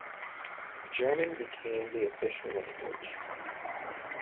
German became the official language.